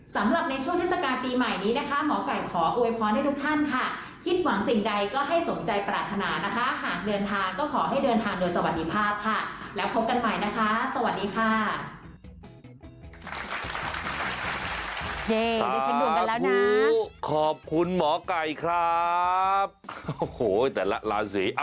สำหรับในช่วงธุรการปีใหม่นี้นะคะหมอก่ายขอโอไวพร้อนให้ทุกท่านค่ะ